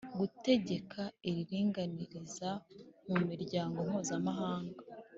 gutegeka iri ringaniza mu miryango mpuzamahanga